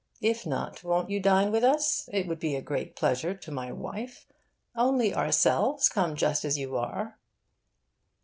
If not, won't you dine with us? It would be a great pleasure to my wife. Only ourselves. Come just as you are.